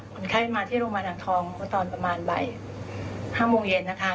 คนไข้มาที่โรงพยาบาลอ่างทองเมื่อตอนประมาณบ่าย๕โมงเย็นนะคะ